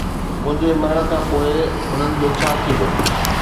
منهنجي مرڻ کان پوءِ هنن جو ڇا ٿيندو؟